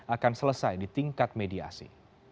akan selesai di tingkat mediasi